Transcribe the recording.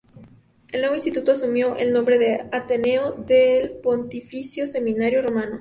El nuevo instituto asumió el nombre de Ateneo del Pontificio Seminario Romano.